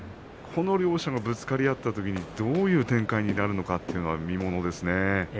この両者がぶつかり合ったときにどういう展開になるのかそれが見ものです。